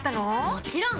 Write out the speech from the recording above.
もちろん！